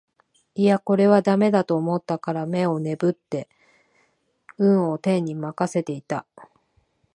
いやこれは駄目だと思ったから眼をねぶって運を天に任せていた